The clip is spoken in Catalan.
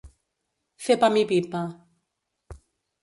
Fer pam i pipa.